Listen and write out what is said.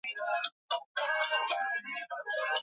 Lugha ya kiswahili.